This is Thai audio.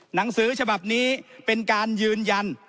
หนังสือฉบับนี้เป็นการยืนยัน